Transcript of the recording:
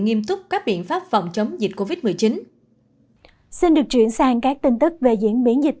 nghiêm túc các biện pháp phòng chống dịch covid một mươi chín xin được chuyển sang các tin tức về diễn biến dịch